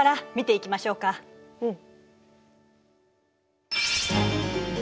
うん。